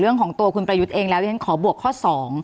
เรื่องของตัวคุณประยุทธ์เองแล้วที่ฉันขอบวกข้อ๒